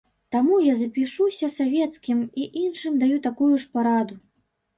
Таму я запішуся савецкім, і іншым даю такую ж параду.